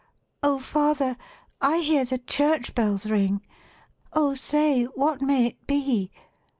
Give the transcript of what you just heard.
'O father! I hear the church bells ring, O say, what may it be?'